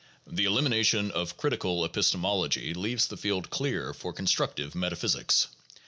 The elimination of "critical" epistemology leaves the field clear for constructive metaphysics.